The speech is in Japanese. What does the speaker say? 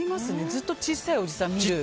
ずっと、小さいおじさんが見える。